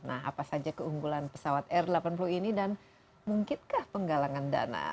nah apa saja keunggulan pesawat r delapan puluh ini dan mungkinkah penggalangan dana